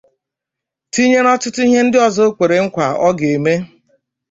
tinyere ọtụtụ ihe ndị ọzọ o kwere nkwà ọ ga-eme